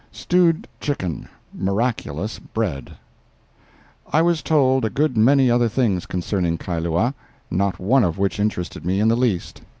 STEWED CHICKEN—MIRACULOUS BREAD I was told a good many other things concerning Kailua—not one of which interested me in the least.